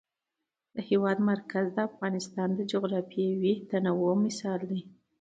د هېواد مرکز د افغانستان د جغرافیوي تنوع مثال دی.